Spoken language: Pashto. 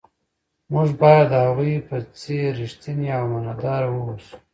موږ باید د هغوی په څیر ریښتیني او امانتدار واوسو.